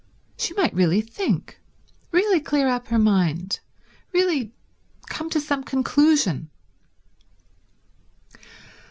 She might really think; really clear up her mind; really come to some conclusion.